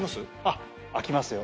あっ開きますよ。